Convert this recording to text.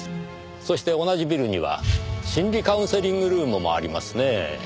そして同じビルには心理カウンセリングルームもありますねぇ。